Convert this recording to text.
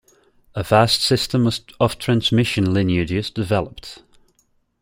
A vast system of transmission lineages developed.